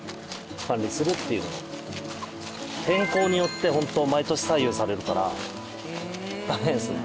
天候によってホント毎年左右されるから大変ですね。